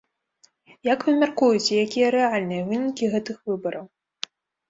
Як вы мяркуеце, якія рэальныя вынікі гэтых выбараў?